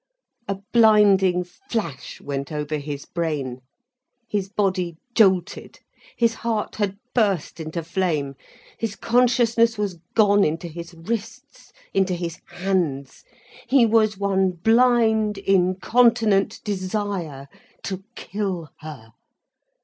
A blinding flash went over his brain, his body jolted. His heart had burst into flame. His consciousness was gone into his wrists, into his hands. He was one blind, incontinent desire, to kill her.